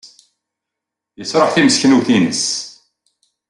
Yesṛuḥ timseknewt-nnes.